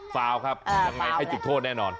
ฟาวครับยังไงให้จุดโทษแน่นอน